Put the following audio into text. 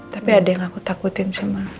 tapi ada yang aku takutin sih